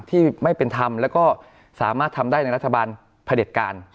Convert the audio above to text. ที่ไม่เป็นธรรมแล้วก็สามารถทำได้ในรัฐบาลพระเด็จการ